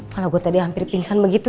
kalau gue tadi hampir pingsan begitu